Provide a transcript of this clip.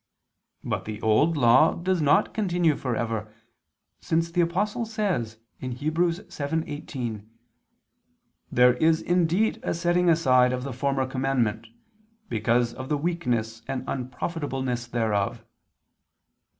But the Old Law does not continue for ever: since the Apostle says (Heb. 7:18): "There is indeed a setting aside of the former commandment, because of the weakness and unprofitableness thereof."